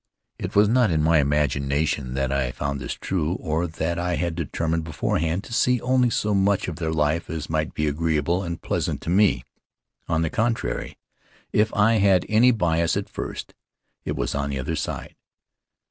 It was not in my imagination that I found this true, or that I had determined beforehand to see only so much of their life as might be agreeable and pleasant to me. On the contrary, if I had any bias at first, it was on the other side.